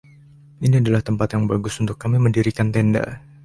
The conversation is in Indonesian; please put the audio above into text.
Ini adalah tempat yang bagus untuk kami mendirikan tenda.